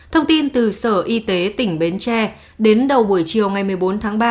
thông tin từ sở y tế tỉnh bến tre đến đầu buổi chiều ngày một mươi bốn tháng ba